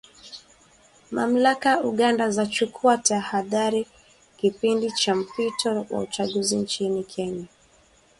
Mamlaka Uganda zachukua tahadhari kipindi cha mpito wa uchaguzi nchini Kenya.